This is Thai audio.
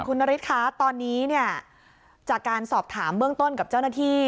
คุณนฤทธิ์คะตอนนี้เนี่ยจากการสอบถามเบื้องต้นกับเจ้าหน้าที่